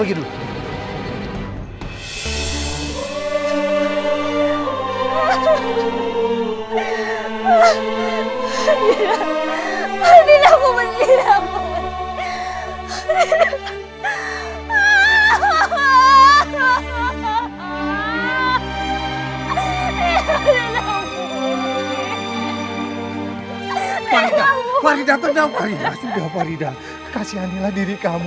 aku pergi dulu